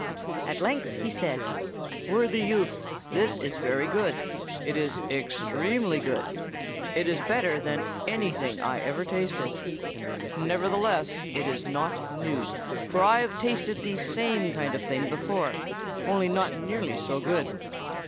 At length he said, 'Worthy youth, this is very good; it is extremely good; it is better than anything I ever tasted. Nevertheless, it is not new; for I have tasted the same kind of thing before, only not nearly so good.